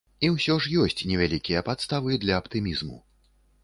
І ўсё ж ёсць невялікія падставы для аптымізму.